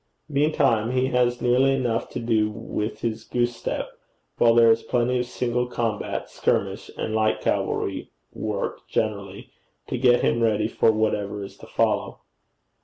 Meantime he has nearly enough to do with his goose step, while there is plenty of single combat, skirmish, and light cavalry work generally, to get him ready for whatever is to follow.